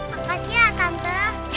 apa sih ya tante